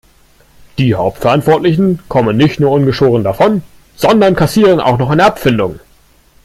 Die Hauptverantwortlichen kommen nicht nur ungeschoren davon, sondern kassieren auch noch eine Abfindung.